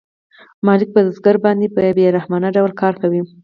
مالک په بزګر باندې په بې رحمانه ډول کار کوي